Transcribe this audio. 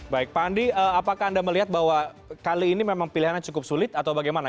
baik pak andi apakah anda melihat bahwa kali ini memang pilihannya cukup sulit atau bagaimana